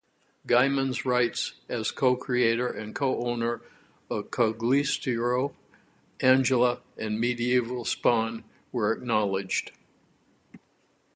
Gaiman's rights as co-creator and co-owner of Cogliostro, Angela, and Medieval Spawn were acknowledged.